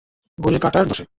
ঘড়ির কাঁটার দশে।